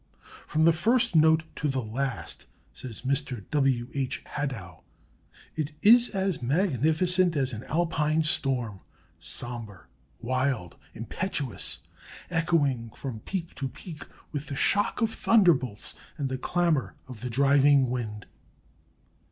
"From the first note to the last," says Mr. W. H. Hadow, "it is as magnificent as an Alpine storm sombre, wild, impetuous, echoing from peak to peak with the shock of thunderbolts and the clamor of the driving wind."